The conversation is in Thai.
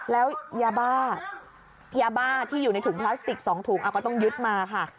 แล้วยาบ้ายาบ้าที่อยู่ในถุงพลาสติก๒ถุงก็ต้องยึดมาค่ะ